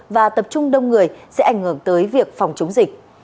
và tập trung đông người sẽ ảnh hưởng tới việc phòng chống dịch